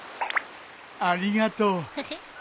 ありがとう。